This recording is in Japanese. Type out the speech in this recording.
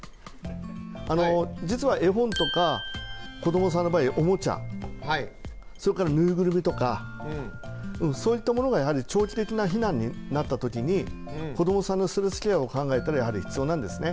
あの実は絵本とか子どもさんの場合おもちゃそれからぬいぐるみとかそういったものがやはり長期的な避難になった時に子どもさんのストレスケアを考えたらやはり必要なんですね。